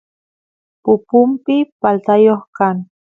pupumpi paltayoq kan